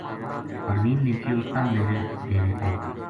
پروین نے کہیو:”تم میرے ڈیرے آؤں